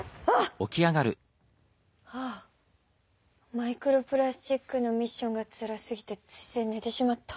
マイクロプラスチックのミッションがつらすぎてついついねてしまった！